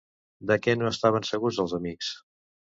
De què no estaven segurs els amics?